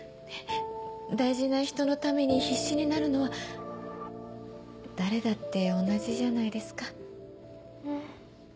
大事な人のために必死になるのは誰だって同じじゃないですか。